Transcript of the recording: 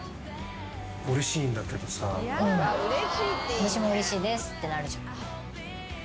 「私もうれしいです」ってなるじゃん。